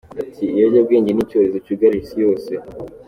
Ati “Ibiyobyabwenge ni icyorezo cyugarije isi yose.